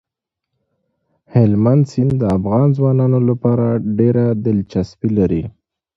هلمند سیند د افغان ځوانانو لپاره ډېره دلچسپي لري.